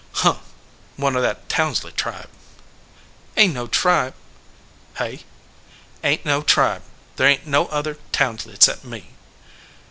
"Huh! one of that Townsley tribe." "Ain t no tribe." "Hey?" "Ain t no tribe. There ain t no other Townsley cept me."